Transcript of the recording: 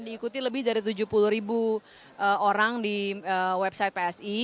diikuti lebih dari tujuh puluh ribu orang di website psi